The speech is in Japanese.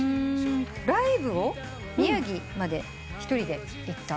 ライブを宮城まで一人で行った？